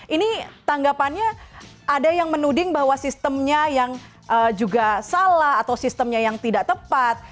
ini tanggapannya ada yang menuding bahwa sistemnya yang juga salah atau sistemnya yang tidak tepat